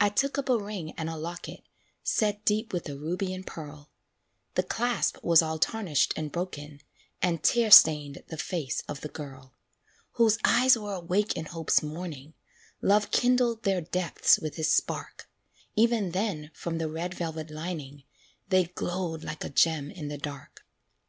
I took up a ring and a locket, Set deep with a ruby and pearl; The clasp was all tarnished and broken, And tear stained the face of the girl, Whose eyes were awake in Hope's morning, Love kindled their depths with his spark Even then, from the red velvet lining, They glowed like a gem in the dark.